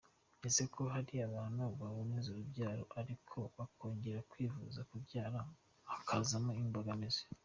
Ese ko hari abantu baboneza urubyaro ariko bakongera kwivuza kubyara hakazamo imbogamizi?.